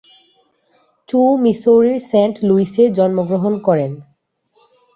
চু মিসৌরির সেন্ট লুইসে জন্মগ্রহণ করেন।